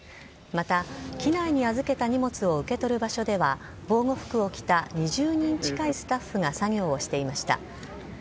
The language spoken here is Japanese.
また、機内に預けた荷物を受け取る場所では、防護服を着た２０人近いスタッフが作業をしていました。